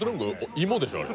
イモでしょあれ。